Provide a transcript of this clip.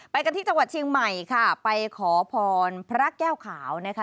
กันที่จังหวัดเชียงใหม่ค่ะไปขอพรพระแก้วขาวนะคะ